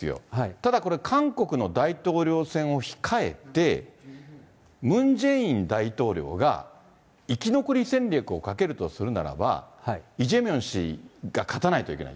ただこれ、韓国の大統領選を控えて、ムン・ジェイン大統領が、生き残り戦略をかけるとするならば、イ・ジェミョン氏が勝たないといけない。